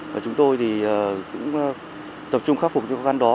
và chúng tôi thì cũng tập trung khắc phục những khó khăn đó